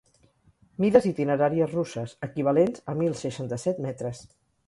Mides itineràries russes, equivalents a mil seixanta-set metres.